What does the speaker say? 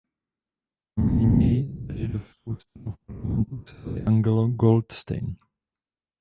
Kromě něj za Židovskou stranu v parlamentu usedl i Angelo Goldstein.